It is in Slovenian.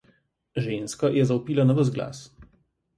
Ženska je zavpila na ves glas.